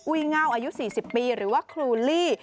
เง่าอายุ๔๐ปีหรือว่าครูลี่